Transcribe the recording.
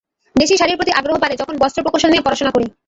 দেশি শাড়ির প্রতি আগ্রহ বাড়ে যখন বস্ত্র প্রকৌশল নিয়ে পড়াশোনা করি।